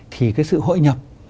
thì cái sự hội nhập